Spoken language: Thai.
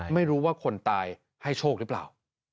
ไม่รู้ว่าคนตายให้โชคหรือเปล่า